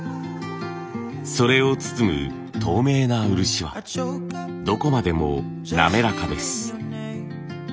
それを包む透明な漆はどこまでも滑らかです。